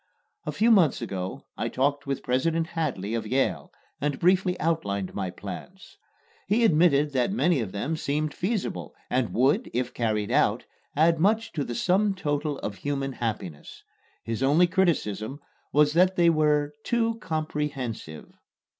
A few months ago I talked with President Hadley of Yale, and briefly outlined my plans. He admitted that many of them seemed feasible and would, if carried out, add much to the sum total of human happiness. His only criticism was that they were "too comprehensive."